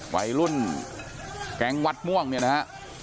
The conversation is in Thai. วัยรุ่นแก๊งวัดม่วงเนี่ยนะฮะ